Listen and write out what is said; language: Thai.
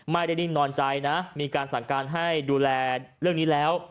นิ่งนอนใจนะมีการสั่งการให้ดูแลเรื่องนี้แล้ว